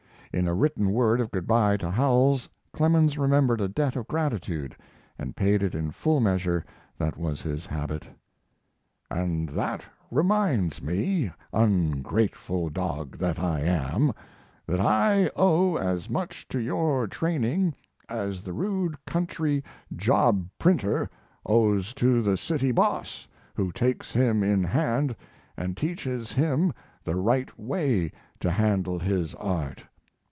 In a written word of good by to Howells, Clemens remembered a debt of gratitude, and paid it in the full measure that was his habit. And that reminds me, ungrateful dog that I am, that I owe as much to your training as the rude country job printer owes to the city boss who takes him in hand and teaches him the right way to handle his art.